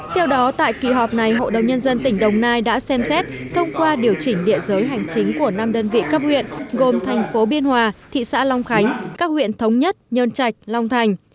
theo đó tại kỳ họp này hội đồng nhân dân tỉnh đồng nai đã xem xét thông qua điều chỉnh địa giới hành chính của năm đơn vị cấp huyện gồm thành phố biên hòa thị xã long khánh các huyện thống nhất nhơn trạch long thành